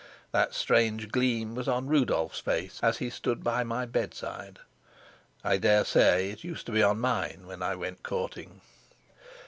That strange gleam was on Rudolf's face as he stood by my bedside. I dare say it used to be on mine when I went courting.